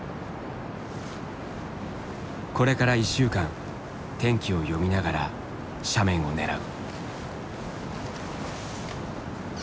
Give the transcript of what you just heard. これから１週間天気を読みながら斜面を狙う。